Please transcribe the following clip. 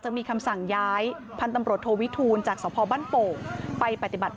จะมีคำสั่งย้ายพันธุ์ตำรวจโทวิทูลจากสพบ้านโป่งไปปฏิบัติ